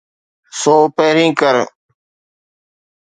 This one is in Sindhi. سو پهرين ڪر.